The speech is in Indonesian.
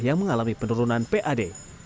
yang mengalami penurunan pad